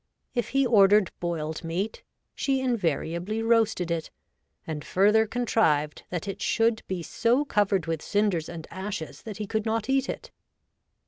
If he ordered boiled meat, she invariably roasted it, and further contrived that it should be so covered with cinders and ashes that he could not eat it.